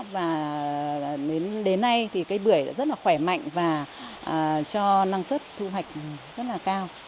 và đến nay thì cây bưởi đã rất là khỏe mạnh và cho năng suất thu hoạch rất là cao